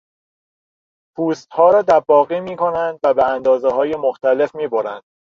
پوستها را دباغی میکنند و به اندازههای مختلف میبرند.